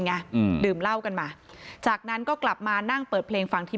อืมดื่มเหล้ากันมาจากนั้นก็กลับมานั่งเปิดเพลงฟังที่